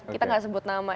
kita nggak sebut nama